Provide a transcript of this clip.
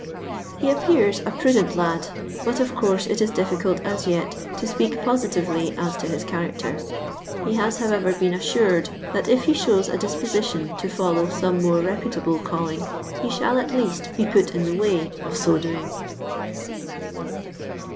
He appeart a pradent lad, but of courte it it difficult, at yet, to speak positively oa to his character. He has, however, been assured that if he thowi a ditpotition to follow tome more re putable calling he thall at leatt be put in the way of ao doing.